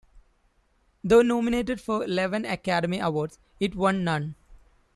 Though nominated for eleven Academy Awards, it won none.